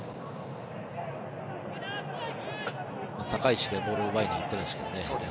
高い位置でボールを奪いに行ったんですけどね。